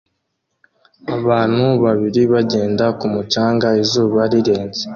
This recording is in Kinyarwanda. Abantu babiri bagenda ku mucanga izuba rirenze